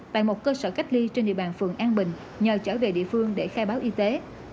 tại một cơ sở cách ly trên địa bàn phường an bình nhờ trở về địa phương để khai báo y tế